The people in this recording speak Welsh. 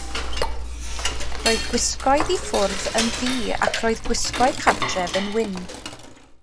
Roedd gwisgoedd i ffwrdd yn ddu ac roedd gwisgoedd cartref yn wyn.